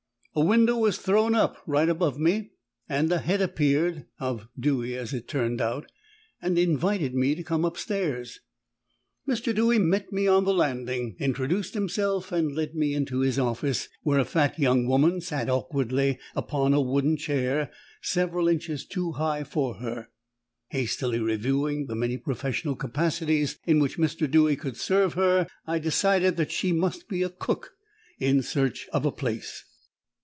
A window was thrown up, right above me, and a head appeared (of Dewy, as it turned out), and invited me to come upstairs. Mr. Dewy met me on the landing, introduced himself, and led me into his office, where a fat young woman sat awkwardly upon a wooden chair several inches too high for her. Hastily reviewing the many professional capacities in which Mr. Dewy could serve her, I decided that she must be a cook in search of a place.